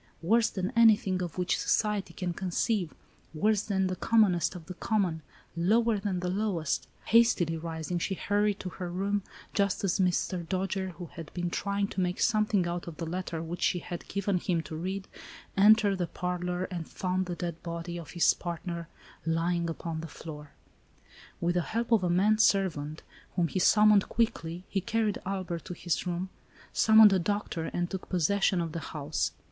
Worse than anything of which society can con ceive, worse than the commonest of the common, lower than the lowest. Hastily rising, she hur ried to her room, just as Mr. Dojere, who had been trying to make something out of the letter which she had given him to read, entered the parlor, and found the dead body of his partner lying upon the floor. 108 ALICE ; OR, THE WAGES OF SIN. With the help of a man servant, whom he summoned quickly, he carried Albert to his room, summoned a doctor, and took possession of the house.